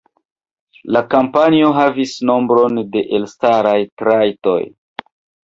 La kampanjo havis nombron de elstaraj trajtoj.